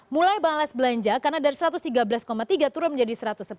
mulai balas belanja karena dari satu ratus tiga belas tiga turun menjadi satu ratus sepuluh